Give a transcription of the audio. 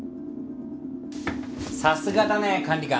さすがだね管理官。